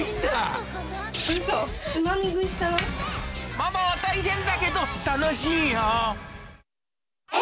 ママは大変だけど、楽しいよ。